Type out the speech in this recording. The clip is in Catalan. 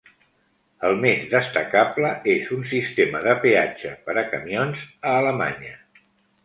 El més destacable és un sistema de peatge per a camions a Alemanya.